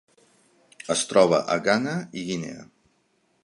Es troba a Ghana i Guinea.